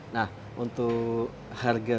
nah untuk harga